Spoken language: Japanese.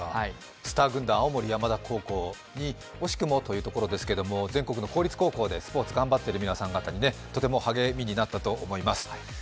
スター軍団、青森山田高校に惜しくもというところですけれども、全国の公立高校でスポーツ頑張ってる皆さんにとても励みになったと思います。